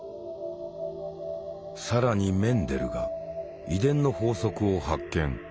更にメンデルが遺伝の法則を発見。